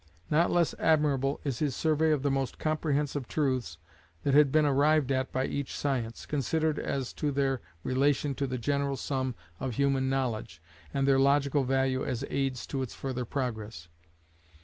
Not less admirable is his survey of the most comprehensive truths that had been arrived at by each science, considered as to their relation to the general sum of human knowledge, and their logical value as aids to its further progress.